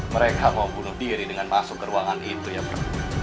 mereka mau bunuh diri dengan masuk ke ruangan itu ya pak